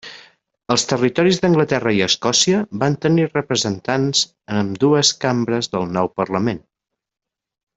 Els territoris d'Anglaterra i Escòcia van tenir representants en ambdues cambres del nou parlament.